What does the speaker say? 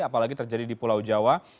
apalagi terjadi di pulau jawa